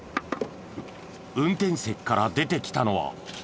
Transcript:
運転席から出てきたのは。